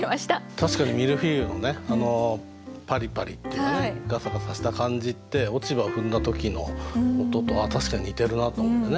確かにミルフィーユのねパリパリっていうかねガサガサした感じって落ち葉を踏んだ時の音と確かに似てるなと思ってね